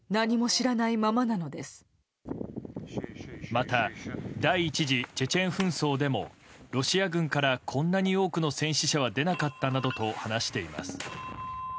また第１次チェチェン紛争でもロシア軍からこんなに多くの戦死者は出なかったなどと話しています。